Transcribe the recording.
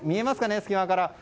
隙間から。